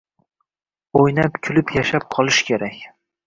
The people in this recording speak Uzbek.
Oʻynab-kulib yashab qolish kerak